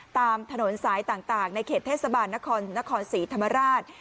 ตามถนนสายต่างในเขตเทศบาลนครนครศรีธรรมราช